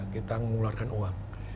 kita mengeluarkan uang